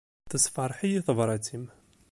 Tessefṛeḥ-iyi tebrat-im.